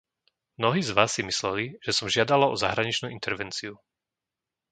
Mnohí z vás si mysleli, že som žiadala o zahraničnú intervenciu.